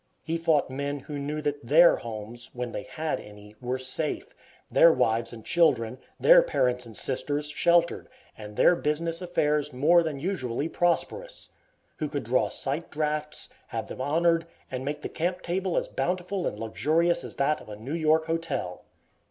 He fought men who knew that their homes (when they had any) were safe, their wives and children, their parents and sisters, sheltered, and their business affairs more than usually prosperous; who could draw sight drafts, have them honored, and make the camp table as bountiful and luxurious as that of a New York hotel.